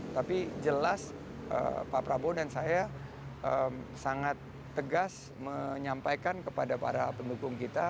tapi jelas pak prabowo dan saya sangat tegas menyampaikan kepada para pendukung kita